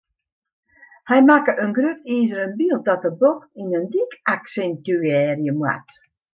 Hy makke in grut izeren byld dat de bocht yn in dyk aksintuearje moat.